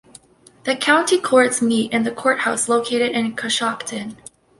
The county courts meet in the courthouse located in Coshocton.